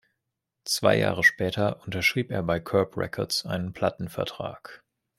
Zwei Jahre später unterschrieb er bei Curb Records einen Plattenvertrag.